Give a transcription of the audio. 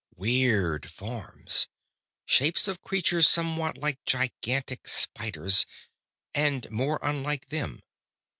Weird forms. Shapes of creatures somewhat like gigantic spiders, and more unlike them.